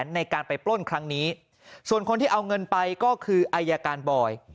ในการไปปล้นครั้งนี้ส่วนคนที่เอาเงินไปก็คืออายการบอย